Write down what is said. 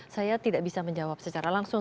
saya tidak bisa menjawab secara langsung